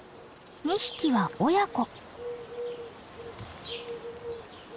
２匹は親子。